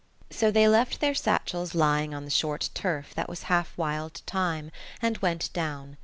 So they left their satchels lying on the short turf, that was half wild thyme, and went down.